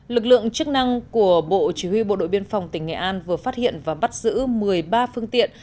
lực lượng chức năng của bộ chỉ huy bộ đội biên phòng tỉnh nghệ an vừa phát hiện và bắt giữ một mươi ba phương tiện